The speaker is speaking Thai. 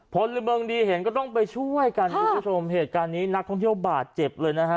พลเมืองดีเห็นก็ต้องไปช่วยกันคุณผู้ชมเหตุการณ์นี้นักท่องเที่ยวบาดเจ็บเลยนะฮะ